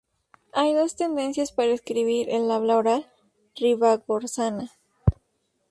Hay dos tendencias para escribir el habla oral ribagorzana.